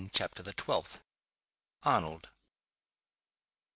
CHAPTER THE TWELFTH. ARNOLD.